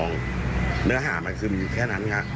เนื้อห่ามน่ะมีแค่นั้นนะครับ